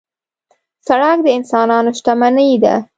سړک د انسانانو شتمني ده.